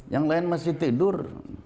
yang lain masih tidur